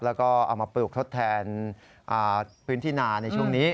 แล้วก็เอามาปลูกทดแทนพื้นที่นาในช่วงนี้